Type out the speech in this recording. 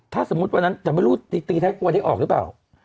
ถ้าสมมุติวันนั้นแต่ไม่รู้ตีตีท้ายครัวได้ออกหรือเปล่า